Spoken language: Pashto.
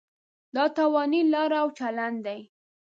دا تاواني لاره او چلن دی.